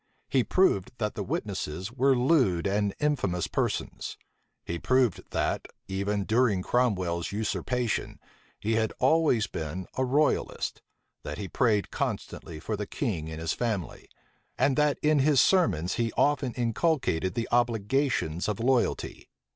He proved that the witnesses were lewd and infamous persons. He proved that, even during Cromwell's usurpation, he had always been a royalist; that he prayed constantly for the king in his family; and that in his sermons he often inculcated the obligations of loyalty.